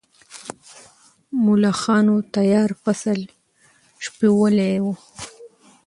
ملخانو تیار فصل شپېلولی و.